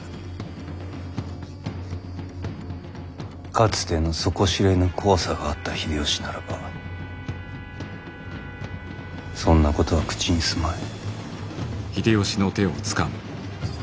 かつての底知れぬ怖さがあった秀吉ならばそんなことは口にすまい。